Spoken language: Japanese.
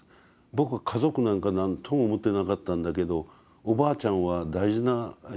「僕は家族なんか何とも思ってなかったんだけどおばあちゃんは大事な人だったんだ」と。